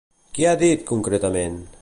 Què ha dit, concretament?